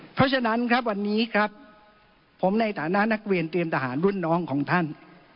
เพราะฉะนั้นครับวันนี้ครับผมในฐานะนักเรียนเตรียมทหารรุ่นน้องของท่าน